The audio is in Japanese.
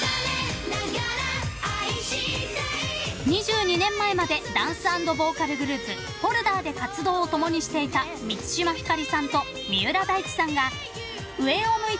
［２２年前までダンス＆ボーカルグループＦｏｌｄｅｒで活動を共にしていた満島ひかりさんと三浦大知さんが］